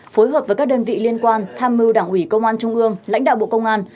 phối hợp với các đơn vị liên quan tham mưu đảng ủy công an trung ương lãnh đạo bộ công an